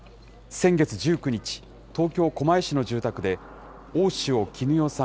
先月１９日、東京・狛江市の住宅で、大塩衣與さん